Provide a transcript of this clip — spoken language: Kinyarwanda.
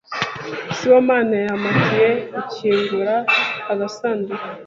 Sibomana yampatiye gukingura agasanduku.